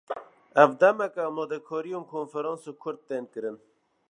Ev demeke, amadekariyên konferansa Kurd tên kirin